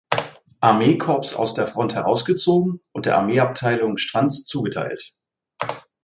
Armee-Korps aus der Front herausgezogen und der Armeeabteilung Strantz zugeteilt.